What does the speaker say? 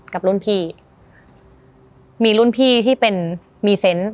กับรุ่นพี่มีรุ่นพี่ที่เป็นมีเซนต์